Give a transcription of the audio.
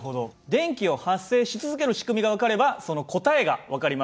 電気を発生し続ける仕組みが分かればその答えが分かります。